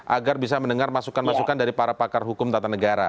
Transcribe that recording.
agar bisa mendengar masukan masukan dari para pakar hukum tata negara